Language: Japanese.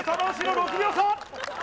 ６秒差